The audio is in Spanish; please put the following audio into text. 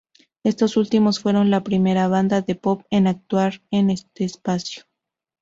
Estos últimos fueron la primera banda de pop en actuar en este espacio.